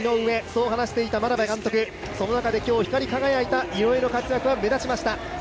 そう話していた眞鍋監督その中で光り輝いた井上の活躍が目立ちました。